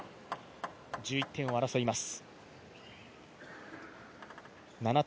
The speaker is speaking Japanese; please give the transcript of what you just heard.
１１点を争います。